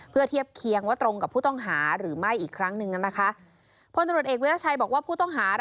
เพื่อเทียบเคียงว่าตรงกับผู้ต้องหาหรือไม่อีกครั้งหนึ่งนะคะ